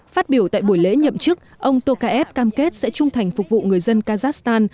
phát biểu tại buổi lễ nhậm chức ông tokayev cam kết sẽ trung thành phục vụ người dân kazakhstan